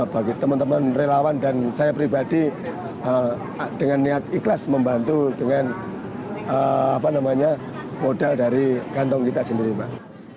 bagi teman teman relawan dan saya pribadi dengan niat ikhlas membantu dengan modal dari kantong kita sendiri pak